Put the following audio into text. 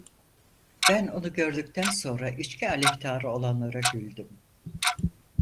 Ben onu gördükten sonra içki aleyhtarı olanlara güldüm.